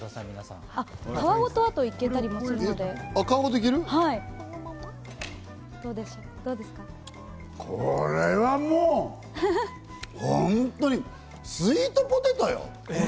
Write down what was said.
皮ごといけたりもするので、これはもう、ほんとにスイートポテトよ。